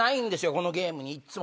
このゲームにいっつも。